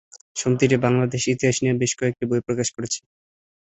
সমিতিটি বাংলাদেশের ইতিহাস নিয়ে বেশ কয়েকটি বই প্রকাশ করেছে।